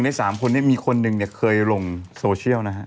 ๑ใน๓คนมีคนหนึ่งเคยลงโซเชียลนะฮะ